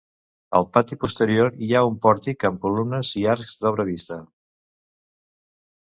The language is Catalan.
Al pati posterior hi ha un pòrtic amb columnes i arcs d'obra vista.